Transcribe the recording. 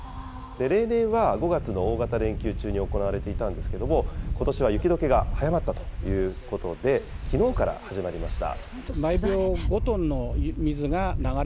例年は５月の大型連休中に行われていたんですけれども、ことしは雪どけが早まったということで、きのうから始まりました。